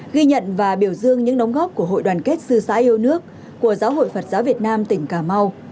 ghi nhận và biểu dương những đóng góp của hội đoàn kết sư sãi yêu nước của giáo hội phật giáo việt nam tỉnh cà mau